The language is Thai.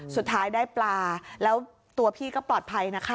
สุดท้ายได้ปลาแล้วตัวพี่ก็ปลอดภัยนะคะ